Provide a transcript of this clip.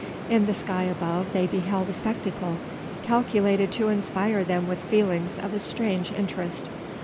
In the sky above they beheld a spectacle, calculated to inspire them with feelings of a strange interest.